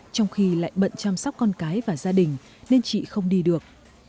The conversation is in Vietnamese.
trong khi lại bận chăm sóc con cái và gia đình nên chị không đi được